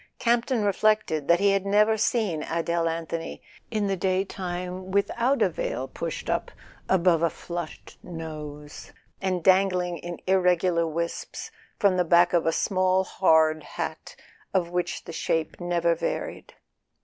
Campton [ 82 ] A SON AT THE FRONT reflected that he had never seen Adele Anthony in the daytime without a veil pushed up above a flushed nose, and dangling in irregular wisps from the back of a small hard hat of which the shape never varied.